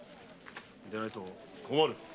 でないと困るんだ。